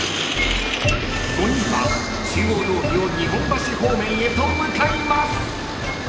［５人は中央通りを日本橋方面へと向かいます］